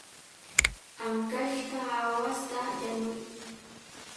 Ankashqa aawasta yanuy.